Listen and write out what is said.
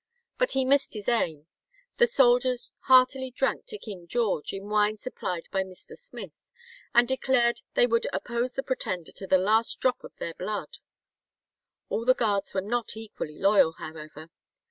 "But he missed his aim." The soldiers heartily drank to King George in wine supplied by Mr. Smith, and declared they would oppose the Pretender to the last drop of their blood. All the guards were not equally loyal, however.